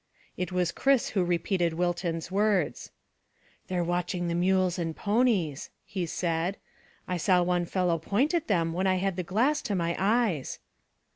It was Chris who repeated Wilton's words. "They're watching the mules and ponies," he said. "I saw one fellow point at them when I had the glass to my eyes."